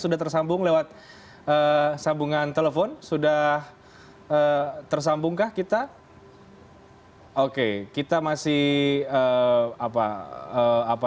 sudah tersambung lewat sambungan telepon sudah tersambungkah kita oke kita masih apa apa